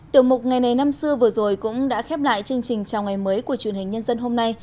tiểu mục ngày này năm xưa vừa rồi cũng đã khép lại chương trình chào ngày mới của truyền hình nhân dân hôm nay